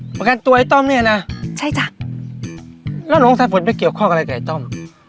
ประกันตัวไอ้ต้อมเนี่ยนะใช่จ้ะแล้วน้องสายฝนไปเกี่ยวข้องอะไรกับไอ้ต้อม